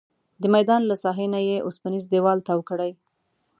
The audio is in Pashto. د میدان له ساحې نه یې اوسپنیز دیوال تاو کړی.